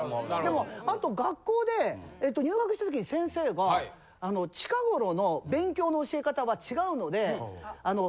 でもあと学校で入学した時に先生が近頃の勉強の教え方は違うので。